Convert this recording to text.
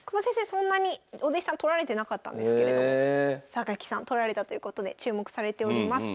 そんなにお弟子さん取られてなかったんですけれども榊さん取られたということで注目されております。